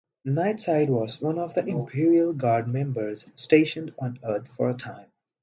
Nightside was one of the Imperial Guard members stationed on Earth for a time.